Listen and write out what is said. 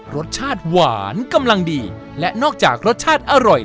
รสชาติหวานกำลังดีและนอกจากรสชาติอร่อย